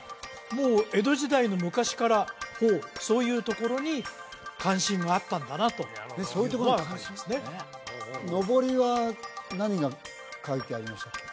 もう江戸時代の昔からそういうところに関心があったんだなとそういうところに関心のぼりは何が書いてありましたっけ？